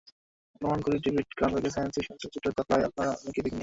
অনুমান করি, ডেভিড ক্রনেনবার্গের সায়েন্স ফিকশন চলচ্চিত্র দ্য ফ্লাই আপনারা অনেকেই দেখেননি।